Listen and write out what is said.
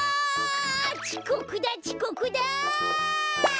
ちこくだちこくだ！